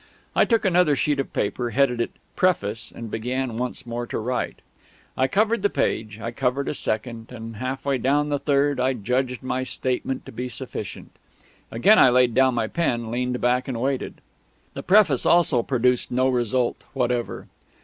I took another sheet of paper, headed it "Preface," and began once more to write. I covered the page; I covered a second; and half way down the third I judged my statement to be sufficient. Again I laid down my pen, leaned back, and waited. The Preface also produced no result whatever.